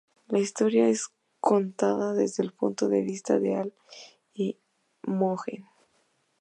La historia es contada desde el punto de vista de Al y Imogen.